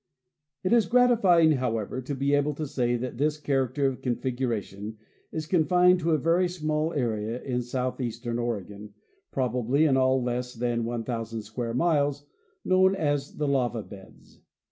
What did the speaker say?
It is grati fying, however, to be able to say that this character of configura tion is confined to a very small area in southeastern Oregon, probably in all less than 1,000 square miles, known as the " Lava Beds."